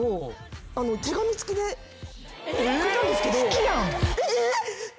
好きやん。